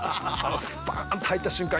スパーンと入った瞬間